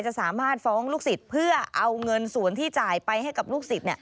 จะสามารถฟ้องลูกศิษย์เพื่อเอาเงินส่วนที่จ่ายไปให้กับลูกศิษย์